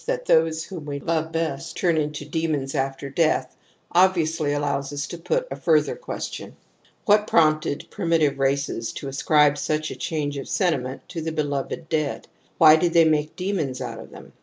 ^, THE AMBIVAIJEN^:OF ,^aiOTIONS 101 / turn into demons after deatl\ obvio\i3i^*^llows ' vus to put a further question. ) What proiri^t^ /.; primitive races to ascribe such a change of senti ''• ment to the beloved dead ? Why did they make demons out of them